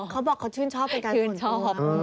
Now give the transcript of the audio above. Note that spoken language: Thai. เขาบอกเขาชื่นชอบไปการส่วนตัว